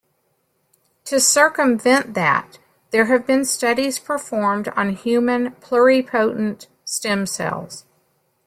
To circumvent that, there have been studies performed on human pluripotent stem cells.